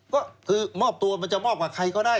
ก็คือมอบตัวมันจะมอบกับใครก็ได้